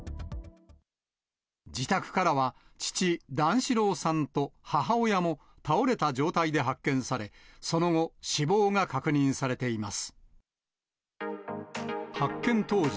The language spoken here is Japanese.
自宅からは、父、段四郎さんと母親も倒れた状態で発見され、その後、死亡が確認されています。